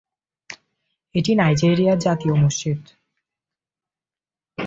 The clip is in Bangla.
এটি নাইজেরিয়ার জাতীয় মসজিদ।